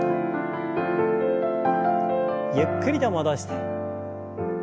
ゆっくりと戻して。